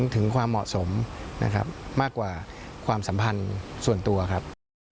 ถึงความเหมาะสมนะครับมากกว่าความสัมพันธ์ส่วนตัวครับ